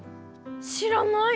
知らない。